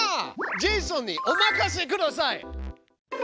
ジェイソンにお任せください！